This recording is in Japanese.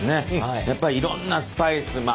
やっぱりいろんなスパイスまあ